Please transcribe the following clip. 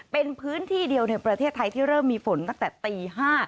เป็นพื้นที่เดียวในประเทศไทยที่เริ่มมีฝนตั้งแต่ตี๕